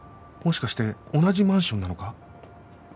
もしかして同じマンションなのか？